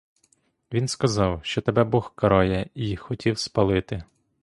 Він сказав, що тебе бог карає й хотів спалити.